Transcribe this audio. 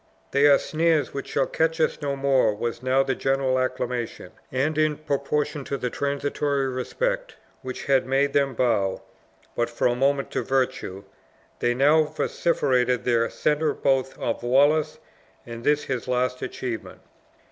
"They are snares, which shall catch us no more!" was now the general acclamation; and in proportion to the transitory respect which had made them bow, but for a moment, to virtue, they now vociferated their center both of Wallace and this his last achievement.